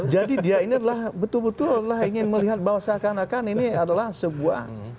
jadi dia ini adalah betul betul ingin melihat bahwa seakan akan ini adalah sebuah